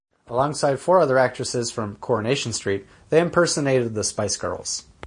Alongside four other actresses from "Coronation Street", they impersonated the Spice Girls.